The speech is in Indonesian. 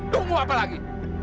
tunggu apa lagi